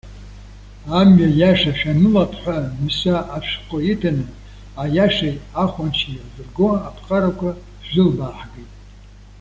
Амҩа иаша шәанылап ҳәа Мыса ашәҟәы иҭаны, аиашеи ахәанчеи еилзырго аԥҟарақәа шәзылбааҳгеит.